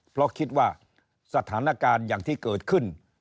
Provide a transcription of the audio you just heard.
เพราะคิดว่าสถานการณ์อย่างที่เกิดขึ้น